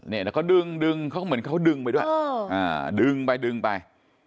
เนี่ยแล้วก็ดึงเขาก็เหมือนเขาดึงไปด้วยอ่าดึงไปไป